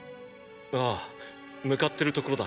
あぁ向かってるところだ。